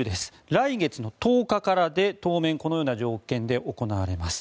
来月の１０日からで当面、このような条件で行われます。